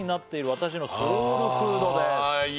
「私のソウルフードです」